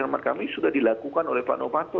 yang sudah dilakukan oleh pak novanto